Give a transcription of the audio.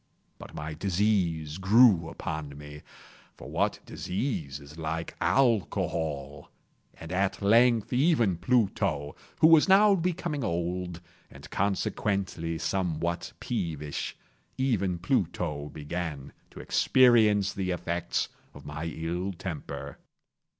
But my disease grew upon me—for what disease is like Alcohol!—and at length even Pluto, who was now becoming old, and consequently somewhat peevish—even Pluto began to experience the effects of my ill temper.